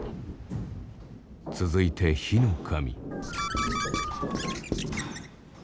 続いて火の神。